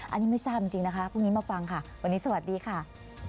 อันนี้ไม่ทราบจริงนะคะพรุ่งนี้มาฟังค่ะวันนี้สวัสดีค่ะ